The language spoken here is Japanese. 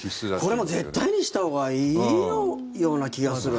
これもう絶対にしたほうがいいような気がするな。